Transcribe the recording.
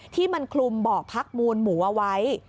ที่มันคลุมเบาะพักมูลหมูเอาไว้